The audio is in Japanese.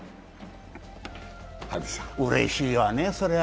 うれしいわね、それは。